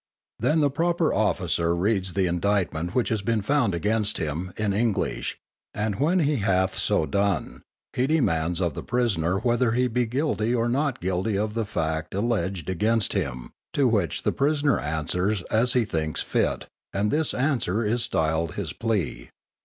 Then the proper officer reads the indictment which has been found against him, in English, and when he hath so done, he demands of the prisoner whether he be guilty or not guilty of the fact alleged against him, to which the prisoner answers as he thinks fit, and this answer is styled his plea.